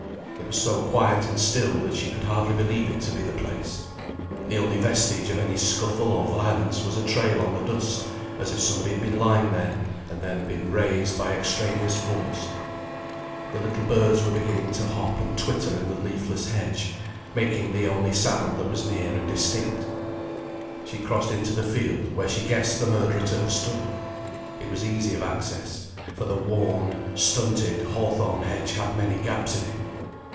It was so quiet and still that she could hardly believe it to be the place. The only vestige of any scuffle or violence was a trail on the dust, as if somebody had been lying there, and then been raised by extraneous force. The little birds were beginning to hop and twitter in the leafless hedge, making the only sound that was near and distinct. She crossed into the field where she guessed the murderer to have stood; it was easy of access, for the worn, stunted hawthorn hedge had many gaps in it.